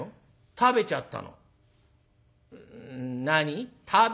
『食べちゃった』。